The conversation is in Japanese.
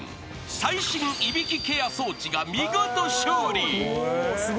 最新いびきケア装置が見事］